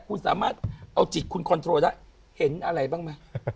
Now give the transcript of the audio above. คุณสามารถเอาจิตคุณคอนโทรได้เห็นอะไรบ้างไหม